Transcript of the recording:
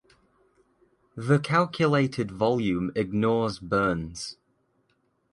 The calculated volume ignores burns.